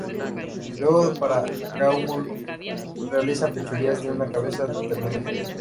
Luego, para Gaumont, realiza "Fechorías de una cabeza de ternera".